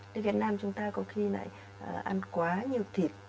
thế việt nam chúng ta có khi này ăn quá nhiều thịt